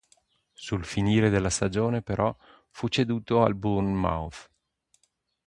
Sul finire della stagione, però, fu ceduto al Bournemouth.